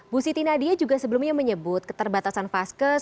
bu siti nadia juga sebelumnya menyebut keterbatasan vaskes